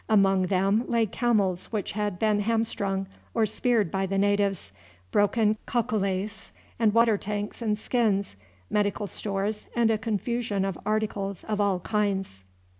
Among them lay camels which had been hamstrung or speared by the natives, broken cacolets, and water tanks and skins, medical stores, and a confusion of articles of all kinds.